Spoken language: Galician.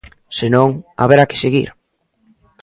Se non, haberá que seguir.